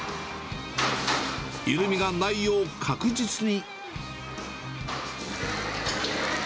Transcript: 緩みがないよう、確実に。